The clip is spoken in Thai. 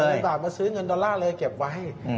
หมื่นบาทมาซื้อเงินดอลลาร์เลยเก็บไว้